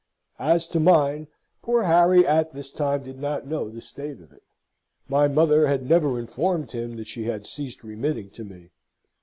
As to mine, poor Harry at this time did not know the state of it. My mother had never informed him that she had ceased remitting to me.